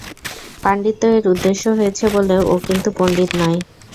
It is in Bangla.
পান্ডিত্য ওর উদ্দেশ্য হয়েছে বলে ও কিন্তু পন্ডিত নয়।